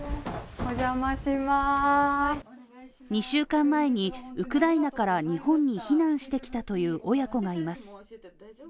２週間前にウクライナから日本に避難してきたという親子がいます。